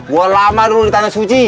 gua lama dulu ditanya suci